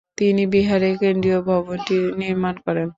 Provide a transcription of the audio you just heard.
তিনি বিহারের কেন্দ্রীয় ভবনটির নির্মাণ করেন।